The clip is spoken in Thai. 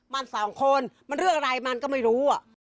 มันสองคนมันเรื่องอะไรมันก็ไม่รู้